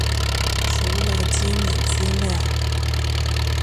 除了機敏資料